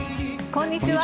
こんにちは。